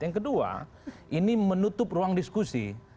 yang kedua ini menutup ruang diskusi